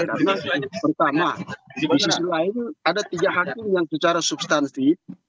karena pertama di sisi lain ada tiga hakim yang secara substansi